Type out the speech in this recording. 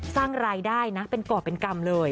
สร้างรายได้นะเป็นก่อเป็นกรรมเลย